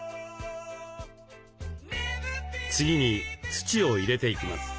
次に土を入れていきます。